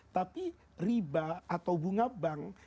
tapi riba atau bunga bank